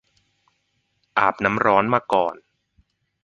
อาบน้ำร้อนมาก่อน